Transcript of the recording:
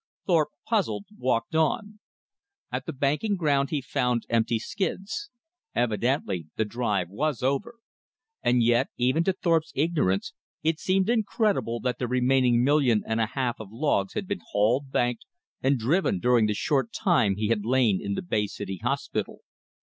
Thorpe, puzzled, walked on. At the banking ground he found empty skids. Evidently the drive was over. And yet even to Thorpe's ignorance, it seemed incredible that the remaining million and a half of logs had been hauled, banked and driven during the short time he had lain in the Bay City hospital.